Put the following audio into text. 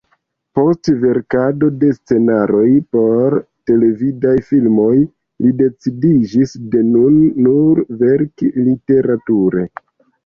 Post verkado de scenaroj por televidaj filmoj li decidiĝis de nun nur verki literature.